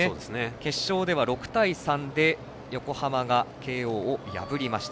決勝では６対３で横浜が慶応を破りました。